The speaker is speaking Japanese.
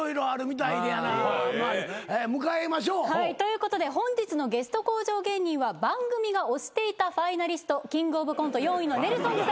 はいということで本日のゲスト向上芸人は番組が推していたファイナリストキングオブコント４位のネルソンズさんです